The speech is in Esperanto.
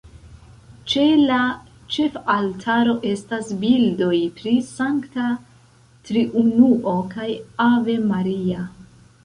Ĉe la ĉefaltaro estas bildoj pri Sankta Triunuo kaj Ave Maria.